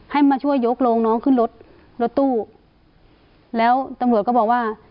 มาช่วยยกโรงน้องขึ้นรถรถตู้แล้วตำรวจก็บอกว่า